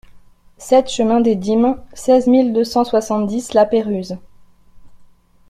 sept chemin des Dîmes, seize mille deux cent soixante-dix La Péruse